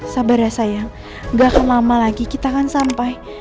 sabar ya saya gak akan lama lagi kita akan sampai